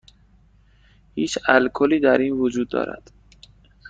هیچ الکلی در این وجود دارد؟